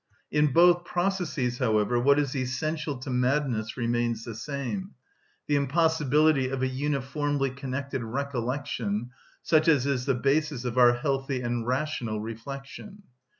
In both processes, however, what is essential to madness remains the same, the impossibility of a uniformly connected recollection, such as is the basis of our healthy and rational reflection.